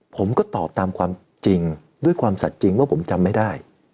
ผมก็ตอบตามความจริงด้วยความสัดจริงว่าผมจำไม่ได้